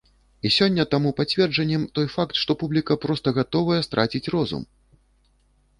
І сёння таму пацверджаннем той факт, што публіка проста гатовая страціць розум!